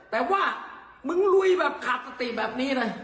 แต่ว่ามึงลุยแบบขาดสติแบบนี้เลย